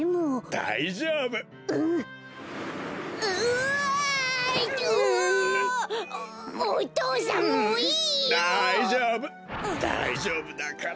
だいじょうぶだから。